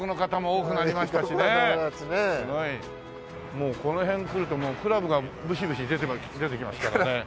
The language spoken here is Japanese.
もうこの辺来るとクラブがむしむし出てきますからね。